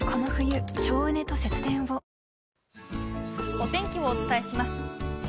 お天気をお伝えします。